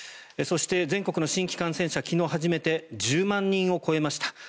そして、全国の新規感染者昨日初めて１０万人を超えました。